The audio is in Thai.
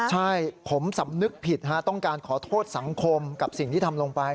ใช่ผมสำนึกผิดต้องการขอโทษสังคมกับสิ่งที่ทำลงไป